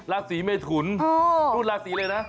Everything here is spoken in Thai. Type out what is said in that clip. ลาศรีเมธุนรูปลาศรีเลยนะ